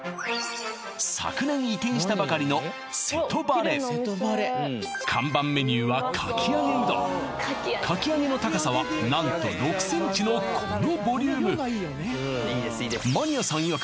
昨年移転したばかりの看板メニューはかき揚げの高さは何と６センチのこのボリュームマニアさんいわく